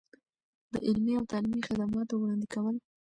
د علمي او تعلیمي خدماتو وړاندې کول.